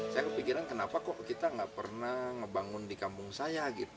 saya menganggap ini adalah